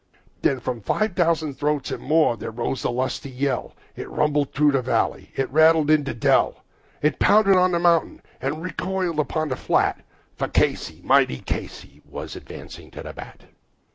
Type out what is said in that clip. Then from five thousand throats and more there rose a mighty yell, It rumbled in the valley and it rattled on the dell, It knocked upon the mountain and recoiled on the flat, For Casey, mighty Casey, was advancing to the bat.